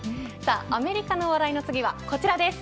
アメリカの話題の次はこちらです。